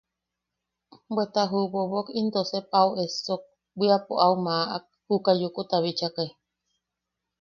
Bweta ju bobok into sep au essok, bwiapo au maʼak, juka Yukuta bichakai.